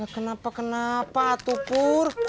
kenapa kenapa tuh pur